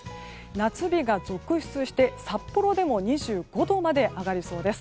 夏日が続出して札幌でも２５度まで上がりそうです。